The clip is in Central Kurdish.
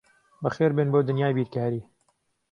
بەخێربێن بۆ دنیای بیرکاری.